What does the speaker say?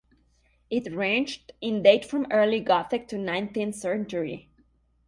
It ranged in date from early Gothic to Nineteenth Century.